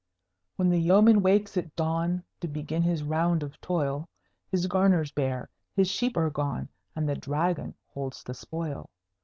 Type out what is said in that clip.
When the yeoman wakes at dawn To begin his round of toil, His garner's bare, his sheep are gone, And the Dragon holds the spoil.